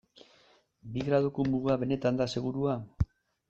Bi graduko muga benetan da segurua?